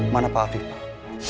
mana pak afif pak